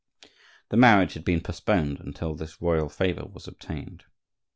The marriage had been postponed until this royal favor was obtained.